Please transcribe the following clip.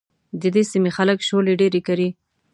د دې سيمې خلک شولې ډېرې کري.